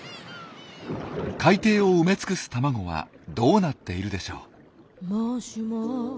海底を埋め尽くす卵はどうなっているでしょう？